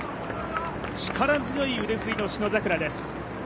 力強い腕振りの信櫻です。